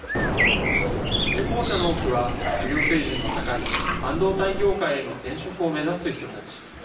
受講者の多くは、給与水準の高い半導体業界への転職を目指す人たち。